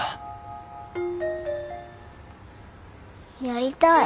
やりたい。